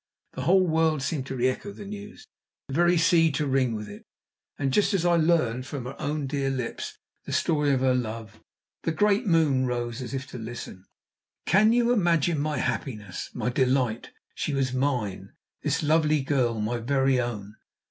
The whole world seemed to re echo the news, the very sea to ring with it, and just as I learned from her own dear lips the story of her love, the great moon rose as if to listen. Can you imagine my happiness, my delight? She was mine, this lovely girl, my very own!